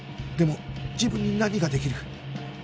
でも自分に何ができる？